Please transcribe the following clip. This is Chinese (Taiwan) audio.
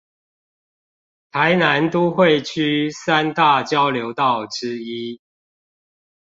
臺南都會區三大交流道之一